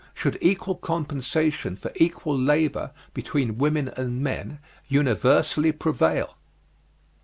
Should equal compensation for equal labor, between women and men, universally prevail?